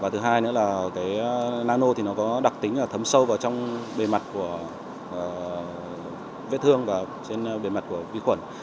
thứ hai nữa là nano có đặc tính là thấm sâu vào trong bề mặt của vết thương và trên bề mặt của vi khuẩn